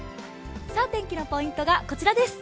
天気のポイントがこちらです。